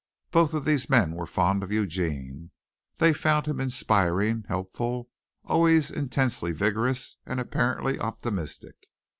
Both of these men were fond of Eugene. They found him inspiring, helpful, always intensely vigorous and apparently optimistic.